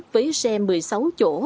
với xe một mươi sáu chỗ